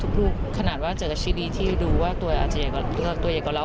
ทุกลูกขนาดเจอกับชินีที่ดูว่าตัวใหญ่กว่าเรา